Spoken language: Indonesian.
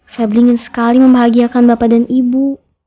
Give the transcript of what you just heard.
pebri ingin sekali membahagiakan bapak dan ibu